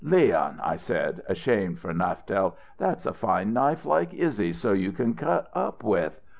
'Leon,' I said, ashamed for Naftel, 'that's a fine knife like Izzy's so you can cut up with.'